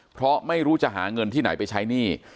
เพราะไม่รู้จะหาเงินที่ไหนไปใช้หนี้